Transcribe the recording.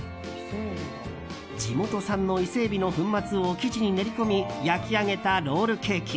地元産の伊勢えびの粉末を生地に練り込み焼き上げたロールケーキ。